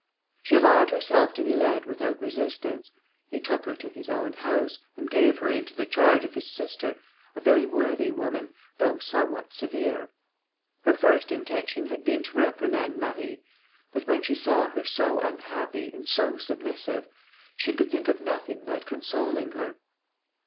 She allowed herself to be led without resistance. He took her to his own house, and gave her into the charge of his sister, a very worthy woman, though somewhat severe. Her first intention had been to reprimand Marie; but when she saw her so unhappy, and so submissive, she could think of nothing but consoling her.